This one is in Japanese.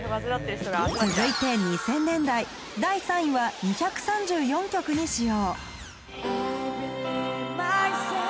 続いて２０００年代第３位は２３４曲に使用